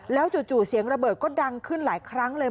แล้วจู่เสียงระเบิดก็ดังขึ้นหลายครั้งเลย